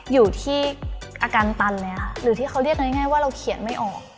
อยู่ที่อาการตันเลยค่ะหรือที่เขาเรียกกันง่ายว่าเราเขียนไม่ออก